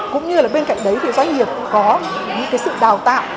cũng như là bên cạnh đấy thì doanh nghiệp có những sự đào tạo